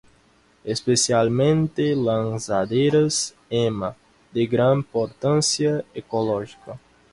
Especialmente lanzaderas ema, de gran importancia ecológica.